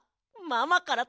ママから？